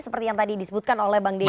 seperti yang tadi disebutkan oleh bang dedy